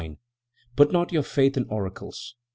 "Put not your faith in oracles.